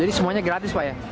jadi semuanya gratis pak ya